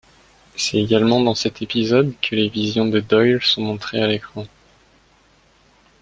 C'est également dans cet épisode que les visions de Doyle sont montrées à l'écran.